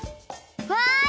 わい！